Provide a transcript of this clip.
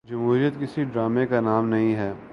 جمہوریت کسی ڈرامے کا نام نہیں ہے۔